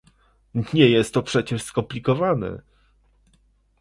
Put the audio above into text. Nie jest to przecież skomplikowane!